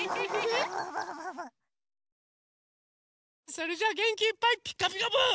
それじゃあげんきいっぱい「ピカピカブ！」